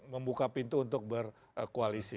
membuka pintu untuk berkoalisi